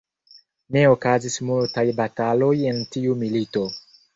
Ne okazis multaj bataloj en tiu milito.